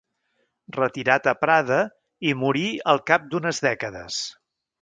Retirat a Prada, hi morí al cap d'unes dècades.